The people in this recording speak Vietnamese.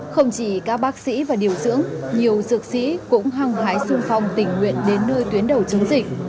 không chỉ các bác sĩ và điều dưỡng nhiều dược sĩ cũng hăng hái sung phong tình nguyện đến nơi tuyến đầu chống dịch